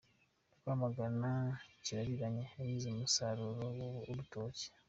Rwamagana Kirabiranya yanize umusaruro w’urutoki